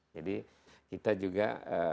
jadi kita juga